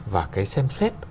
và xem xét